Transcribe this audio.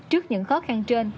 trước những khó khăn trên